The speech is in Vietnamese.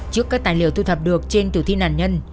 trước các tài liệu thu thập được trên tử thi nạn nhân